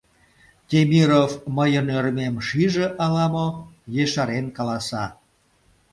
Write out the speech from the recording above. Темиров мыйын ӧрмем шиже ала-мо, ешарен каласа: